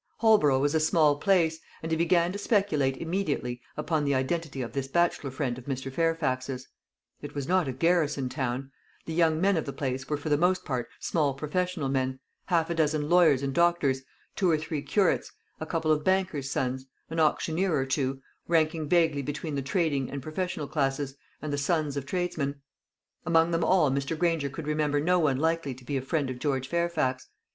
Holborough was a small place; and he began to speculate immediately upon the identity of this bachelor friend of Mr. Fairfax's. It was not a garrison town. The young men of the place were for the most part small professional men half a dozen lawyers and doctors, two or three curates, a couple of bankers' sons, an auctioneer or two, ranking vaguely between the trading and professional classes, and the sons of tradesmen. Among them all Mr. Granger could remember no one likely to be a friend of George Fairfax.